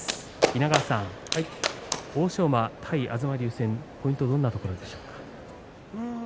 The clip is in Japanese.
稲川さん、欧勝馬対東龍戦ポイントはどんなところでしょうか？